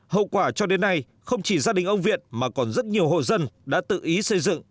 hậu quả cho đến nay không chỉ gia đình ông viện mà còn rất nhiều hộ dân đã tự ý xây dựng